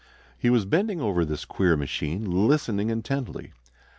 He was bending over this queer machine listening intently.